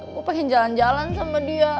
gue pengen jalan jalan sama dia